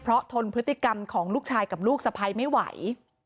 เพราะทนพฤติกรรมของลูกชายกับลูกสะพ้ายไม่ไหว